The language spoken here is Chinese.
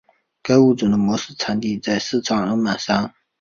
该物种的模式产地在四川峨眉山。